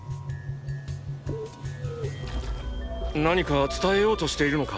何か伝えようとしているのか？